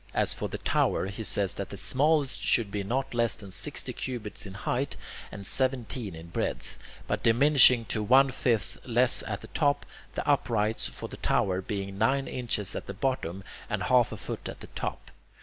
As for the tower, he says that the smallest should be not less than sixty cubits in height and seventeen in breadth, but diminishing to one fifth less at the top; the uprights for the tower being nine inches at the bottom and half a foot at the top.